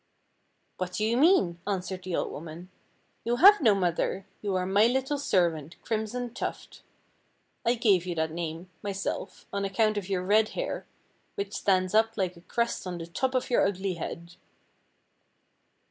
"What do you mean," answered the old woman. "You have no mother! you are my little servant, Crimson Tuft. I gave you that name, myself, on account of your red hair, which stands up like a crest on the top of your ugly head."